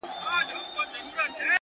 • در لېږل چي مي ګلونه هغه نه یم ,